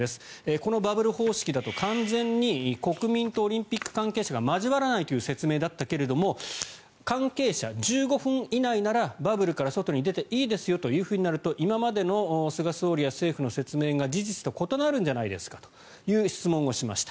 このバブル方式だと完全に国民とオリンピック関係者が交わらないという説明だったけれども関係者、１５分以内ならバブルから外に出ていいですよとなると今までの菅総理や政府の説明が事実と異なるんじゃないですかという質問をしました。